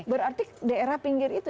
berarti daerah pinggir itu